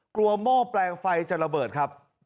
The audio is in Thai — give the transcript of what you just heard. กลัวโหม้แปลงไฟจะระเบิดครับ